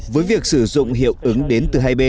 với việc sử dụng hiệu ứng đến từ hai nghìn một mươi bảy